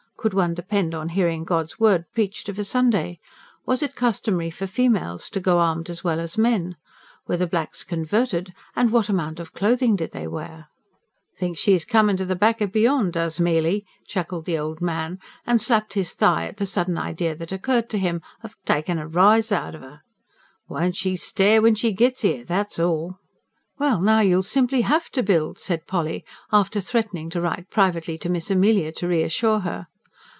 Could one depend on hearing God's Word preached of a Sunday? Was it customary for FEMALES to go armed as well as men? Were the blacks CONVERTED, and what amount of clothing did they wear? "Thinks she's comin' to the back o' beyond, does Mely!" chuckled the old man, and slapped his thigh at the sudden idea that occurred to him of "takin' a rise out of 'er." "Won't she stare when she gits 'ere, that's all!" "Well, now you'll simply HAVE to build," said Polly, after threatening to write privately to Miss Amelia, to reassure her.